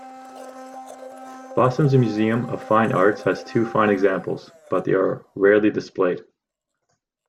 Boston's Museum of Fine Arts has two fine examples, but they are rarely displayed.